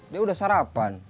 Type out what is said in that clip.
dia udah sarapan